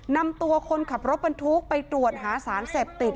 นำตัวคนขับรถบรรทุกไปตรวจหาสารเสพติด